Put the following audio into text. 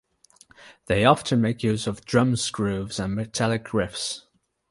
They often make use of drums grooves and metallic riffs.